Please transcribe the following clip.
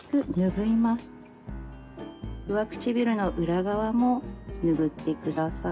上唇の裏側も拭ってください。